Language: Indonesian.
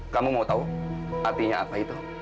kamu mau tahu artinya apa itu